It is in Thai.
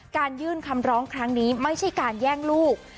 ยื่นคำร้องครั้งนี้ไม่ใช่การแย่งลูก